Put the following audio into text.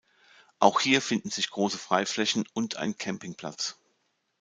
Auch hier finden sich große Freiflächen und ein Campingplatz.